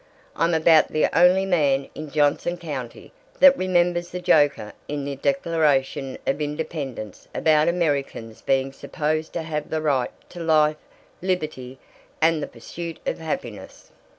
I'm about the only man in Johnson County that remembers the joker in the Declaration of Independence about Americans being supposed to have the right to 'life, liberty, and the pursuit of happiness.'